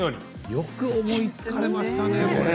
よく思いつかれましたね。